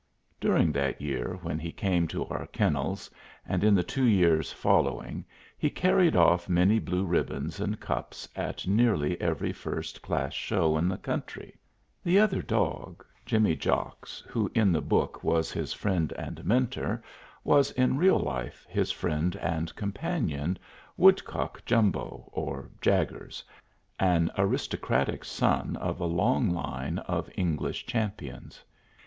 During that year, when he came to our kennels, and in the two years following, he carried off many blue ribbons and cups at nearly every first class show in the country. The other dog, "Jimmy Jocks," who in the book was his friend and mentor, was in real life his friend and companion, Woodcote Jumbo, or "Jaggers," an aristocratic son of a long line of English champions.